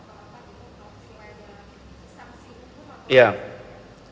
pembatasan sosial berskala besar